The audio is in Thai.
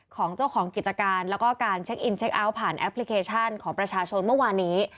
ของเจ้าของกิจการแล้วก็การเช็คอินเช็คเอาท์ผ่านแอปพลิเคชันของประชาชนเมื่อวานนี้